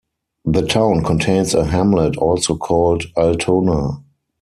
The town contains a hamlet also called Altona.